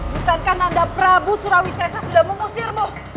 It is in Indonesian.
bukankah nanda prabu surawi sesa sudah memusirmu